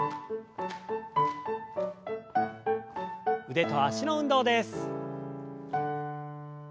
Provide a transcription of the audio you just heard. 腕と脚の運動です。